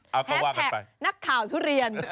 แฮสแท็กนักข่าวทุเรียน